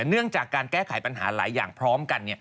เนื่องจากการแก้ไขปัญหาหลายอย่างพร้อมกัน